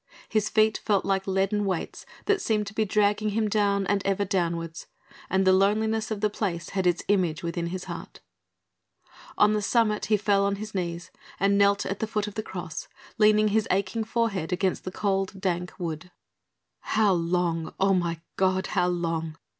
His feet felt like leaden weights that seemed to be dragging him down and ever downwards, and the loneliness of the place had its image within his heart. On the summit he fell on his knees and knelt at the foot of the Cross, leaning his aching forehead against the cold, dank wood. "How long, oh my God, how long?"